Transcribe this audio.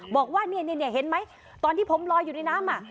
บอกว่าเนี่ยเห็นไหมตอนที่ผมลอยอยู่ในน้ำ